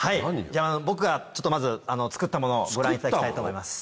じゃあ僕がまず作ったものをご覧いただきたいと思います。